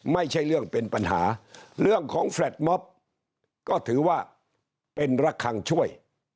ไม่ใช่เรื่องเป็นปัญหาเรื่องของแฟลตมอบก็ถือว่าเป็นระคังช่วย